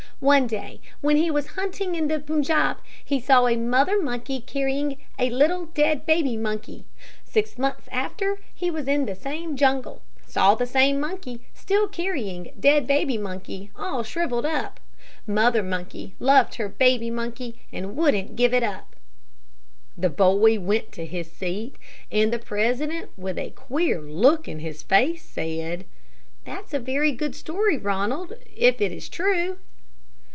One day when he was hunting in the Punjab, he saw a mother monkey carrying a little dead baby monkey. Six months after, he was in the same jungle. Saw same monkey still carrying dead baby monkey, all shriveled up. Mother monkey loved her baby monkey, and wouldn't give it up." The boy went to his seat, and the president, with a queer look in his face, said, "That's a very good story, Ronald if it is true."